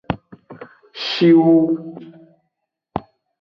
Shiwu.